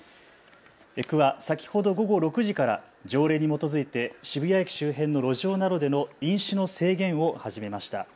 区は先ほど午後６時から条例に基づいて渋谷駅周辺の路上などでの飲酒の制限を始めました。